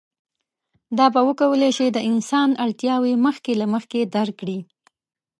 دا به وکولی شي د انسان اړتیاوې مخکې له مخکې درک کړي.